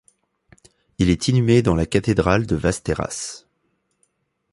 Il est inhumé dans la cathédrale de Västerås.